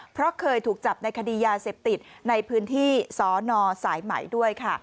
เพราะเคยถูกจับในคดียาเสพติดในพื้นที่สนสายไหมด้วยค่ะ